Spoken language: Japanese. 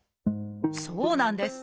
そうなんです。